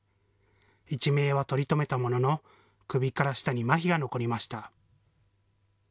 一命は取り留めたものの、首から下にまひが残りました。